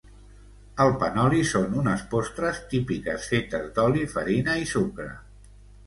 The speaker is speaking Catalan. El panoli són unes postres típiques fetes d'oli, farina i sucre.